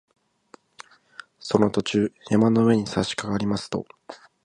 その途中、山の上にさしかかりますと